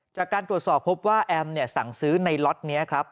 จากการตรวจสอบพบว่าแอมสั่งซื้อในล็อตนี้ครับ